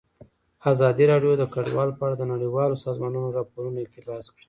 ازادي راډیو د کډوال په اړه د نړیوالو سازمانونو راپورونه اقتباس کړي.